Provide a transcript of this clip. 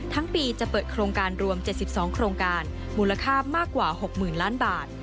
ทั้งปีจะเปิดโครงการรวม๗๒โครงการมูลค่ามากกว่า๖๐๐๐ล้านบาท